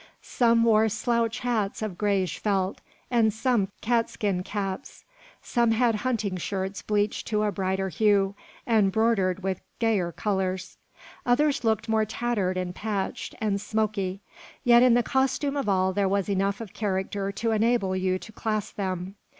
Some wore slouch hats of greyish felt, and some catskin caps. Some had hunting shirts bleached to a brighter hue, and broidered with gayer colours. Others looked more tattered and patched, and smoky; yet in the costume of all there was enough of character to enable you to class them.